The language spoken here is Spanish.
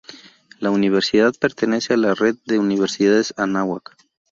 La universidad pertenece a la Red de Universidades Anáhuac.